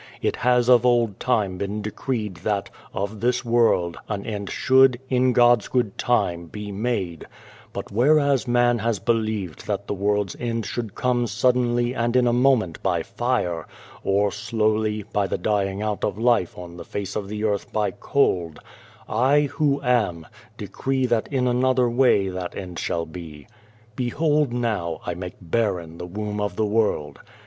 It has of old time been decreed that, of this world, an end should, in God's good time, be made ; but whereas man has believed that the world's end should come suddenly and in a moment by fire, or slowly, by the dying out of life on the face of the earth by cold, I, WHO AM, decree that in another way that end shall be. " Behold now I make barren the womb of the world.